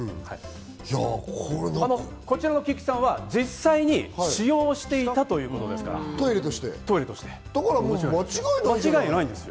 こちらの菊池さんは実際に使用していたということですからトイレとして間違いないんですよ。